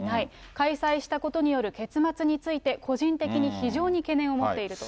開催したことによる結末について個人的に非常に懸念を持っていると。